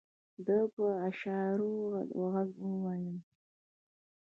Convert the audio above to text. ده په اشارو او غږ وويل.